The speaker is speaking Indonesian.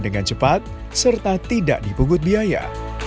dengan cepat serta tidak dipungut biaya